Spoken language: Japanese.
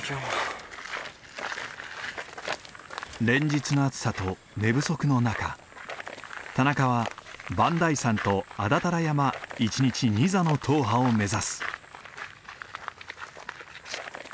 連日の暑さと寝不足の中田中は磐梯山と安達太良山一日２座の踏破を目指す。